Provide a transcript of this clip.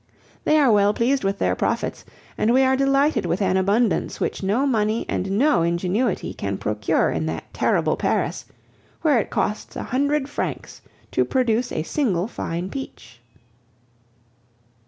They are well pleased with their profits, and we are delighted with an abundance which no money and no ingenuity can procure in that terrible Paris, where it costs a hundred francs to produce a single fine peach.